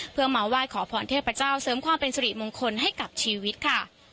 เพื่อมาไหว้ขอพรเทพเจ้าเสริมความเป็นสุริมงคลให้กับชีวิตค่ะ